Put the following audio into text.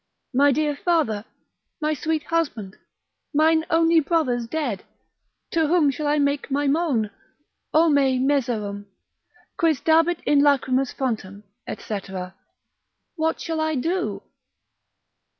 My dear father, my sweet husband, mine only brother's dead, to whom shall I make my moan? O me miserum! Quis dabit in lachrymas fontem, &c. What shall I do?